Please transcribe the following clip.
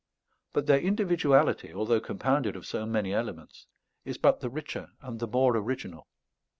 But their individuality, although compounded of so many elements, is but the richer and the more original.